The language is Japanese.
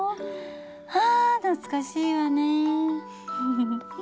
あ懐かしいわね。